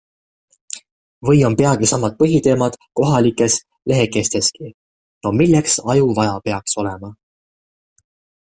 Või on peagi samad põhiteemad kohalikes lehekesteski - no milleks aju vaja peaks olema...